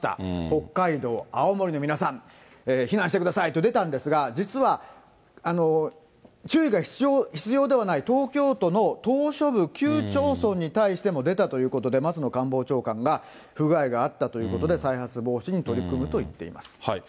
北海道、青森の皆さん、避難してくださいと出たんですが、実は注意が必要ではない、東京都の島しょ部９町村に対しても出たということで、松野官房長官が、不具合があったということで、再発防止に取り組むと言っています。